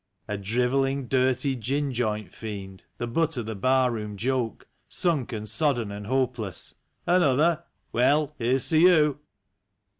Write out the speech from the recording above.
A drivelling, dirty gin joint fiend, the butt of the bar room joke; Sunk and sodden and hopeless —" Another ? Well, here's to you